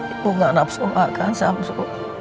ibu gak nafsu makan samsu